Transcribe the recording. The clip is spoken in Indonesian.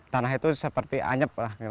tanah itu seperti anyep lah orang jawanya bilang